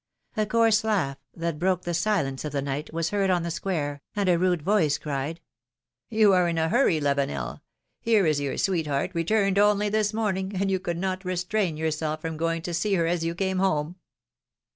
A coarse laugh, that broke the silence of the night, was heard on the square, and a rude voice cried :'' You are in a hurry, Lavenel ! Here is your sweet heart, returned only this morning, and you could not re strain yourself from going to see her as you came home